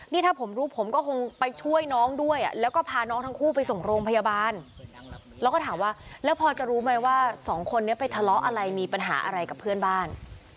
นี่ถ้าผมรู้ผมก็คงไปช่วยน้องด้วยแล้วก็พาน้องทั้งคู่ไปส่งโรงพยาบาลแล้วก็ถามว่าแล้วพอจะรู้ไหมว่าสองคนนี้ไปทะเลาะอะไรมีปัญหาอะไรกับเพื่อนบ้าน